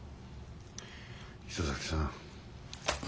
磯崎さん。